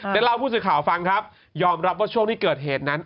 ได้เล่าผู้สื่อข่าวฟังครับยอมรับว่าช่วงที่เกิดเหตุนั้น